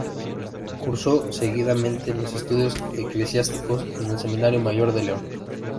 Cursó, seguidamente, los estudios eclesiásticos en el Seminario Mayor de León.